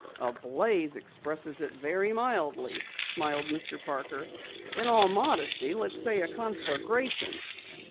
"A blaze expresses it very mildly," smiled Mr. Parker. "In all modesty, let us say a conflagration!"